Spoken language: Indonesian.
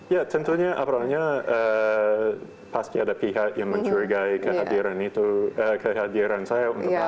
ya tentunya apalagi pasti ada pihak yang mencurigai kehadiran saya untuk apa